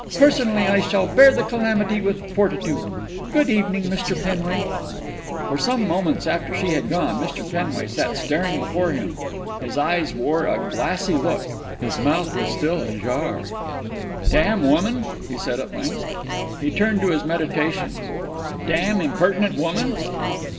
Personally I shall bear the calamity with fortitude. Good evening, Mr. Penway." For some moments after she had gone Mr. Penway sat staring before him. His eyes wore a glassy look. His mouth was still ajar. "Damn woman!" he said at length. He turned to his meditations. "Damn impertinent woman!"